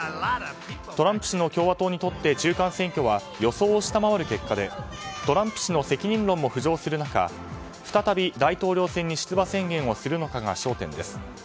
トランプ氏の共和党にとって中間選挙は予想を下回る結果でトランプ氏の責任論も浮上する中再び大統領選に出馬宣言をするのかが焦点です。